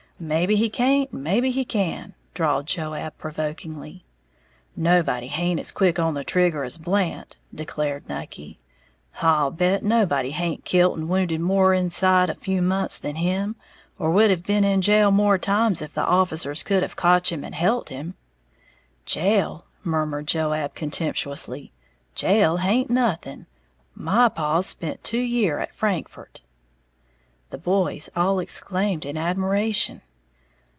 "Maybe he can't, and maybe he can," drawled Joab, provokingly. "Nobody haint as quick on the trigger as Blant," declared Nucky; "I'll bet nobody haint kilt and wounded more inside a few months than him, or would have been in jail more times if the officers could have kotch him and helt him." "Jail," murmured Joab, contemptuously, "jail haint nothing! My paw's spent two year at Frankfort!" The boys all exclaimed in admiration.